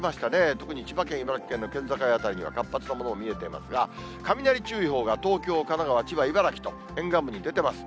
特に千葉県、茨城県の県境辺りには、活発なもの見えてますが、雷注意報が東京、神奈川、千葉、茨城と沿岸部に出ています。